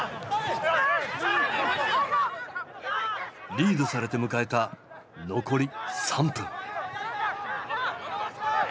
リードされて迎えた残り３分。